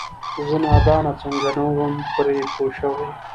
زه نادانه څنګه نه وم پرې پوه شوې؟!